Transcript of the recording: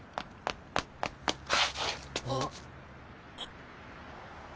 あっ。